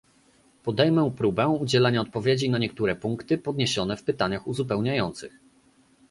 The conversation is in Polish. Podejmę próbę udzielenia odpowiedzi na niektóre punkty podniesione w pytaniach uzupełniających